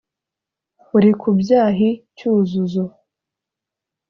uri ku byahi cyuzuzo